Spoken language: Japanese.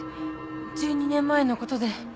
１２年前の事で。